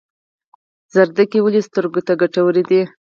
ګازرې ولې سترګو ته ګټورې دي؟